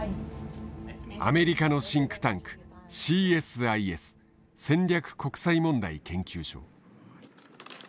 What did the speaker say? アメリカのシンクタンクＣＳＩＳ戦略国際問題研究所。